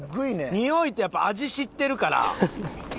においとやっぱ味知ってるから。